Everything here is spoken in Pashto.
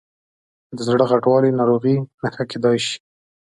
د زړه غټوالی د ناروغۍ نښه کېدای شي.